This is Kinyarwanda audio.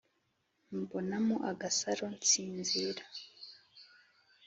mbonamo agasaro nsinzira